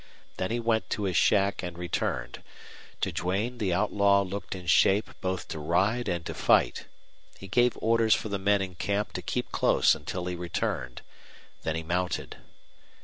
Then he went to his shack and returned. To Duane the outlaw looked in shape both to ride and to fight. He gave orders for the men in camp to keep close until he returned. Then he mounted.